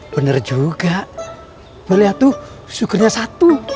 bener juga beli atuh sugernya satu